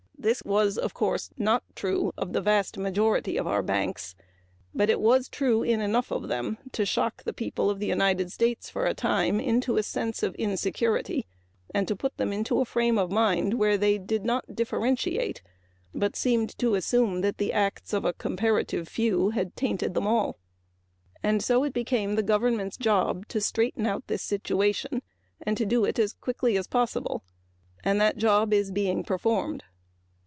This was, of course, not true in the vast majority of our banks, but it was true in enough of them to shock the people for a time into a sense of insecurity and to put them into a frame of mind where they did not differentiate, but seemed to assume that the acts of a comparative few had tainted them all. It was the government's job to straighten out this situation and do it as quickly as possible and the job is being performed.